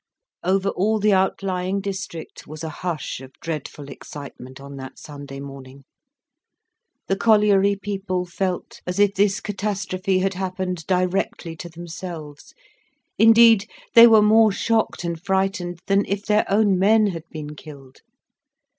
Over all the outlying district was a hush of dreadful excitement on that Sunday morning. The colliery people felt as if this catastrophe had happened directly to themselves, indeed they were more shocked and frightened than if their own men had been killed.